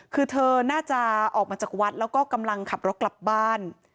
คือเธอน่าจะออกมาจากวัดแล้วก็กำลังขับรถกลับบ้าน